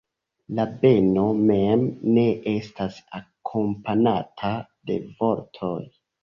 La beno mem ne estas akompanata de vortoj.